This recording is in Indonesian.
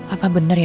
apa benar ya